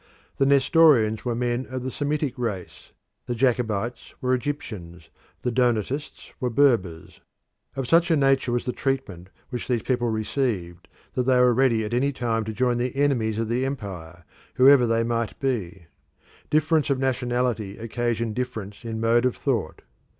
The Nestorians were men of the Semitic race, the Jacobites were Egyptians, the Donatists were Berbers. Of such a nature was the treatment which these people received that they were ready at any time to join the enemies of the empire, whoever they might be. Difference of nationality occasioned difference in mode of thought.